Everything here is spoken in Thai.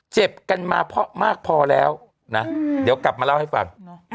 เจ็บกันมาเพราะมากพอแล้วนะเดี๋ยวกลับมาเล่าให้ฟัง